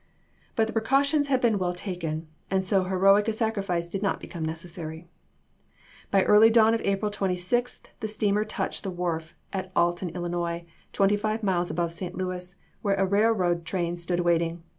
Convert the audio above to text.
But the precautions had been well taken, and so heroic a sacrifice did not become necessary. By early dawn of April 26 the steamer touched isei. the wharf at Alton, Illinois, twenty five miles above St. Louis, where a railroad train stood waiting.